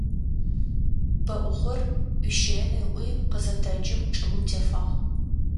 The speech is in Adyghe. Пэӏухъор ӏуищэин ыӏуи къызэтэджым чӏыгум тефагъ.